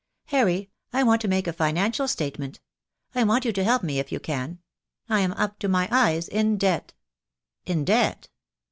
"Harry, I want to make a financial statement. I want you to help me if you can. I am up to my eyes in debt." "In debt?"